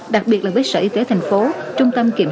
đặc biệt là với sở y tế tp hcm